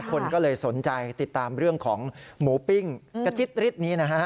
คนก็เลยสนใจติดตามเรื่องของหมูปิ้งกระจิ๊ดริดนี้นะฮะ